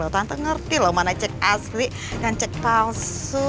tante ngerti loh mana cek asli dan cek palsu